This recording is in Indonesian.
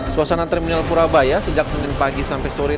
suasana terminal purabaya sejak senin pagi sampai sore